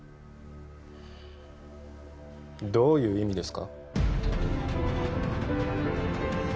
どういう意味ですか？